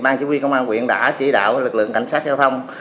bang chỉ huy công an quyện đã chỉ đạo lực lượng cảnh sát giao thông